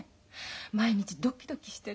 毎日ドキドキしてる。